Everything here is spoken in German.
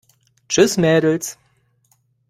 Tschüss, Mädels!